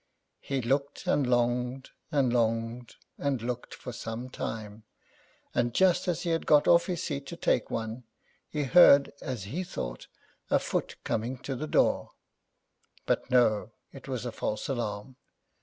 He looked and longed, and longed and looked for some time, and just as he had got off his seat to take one, he heard, as he thought, a foot coming to the door; but no, it was a false alarm.